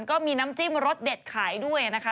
ก็มีน้ำจิ้มรสเด็ดขายด้วยนะคะ